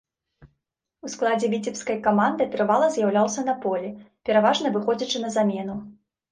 У складзе віцебскай каманды трывала з'яўляўся на полі, пераважна выходзячы на замену.